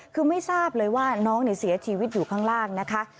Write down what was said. คือไม่ทราบเลยว่าน้องเสียชีวิตอยู่ข้างล่างนะคะ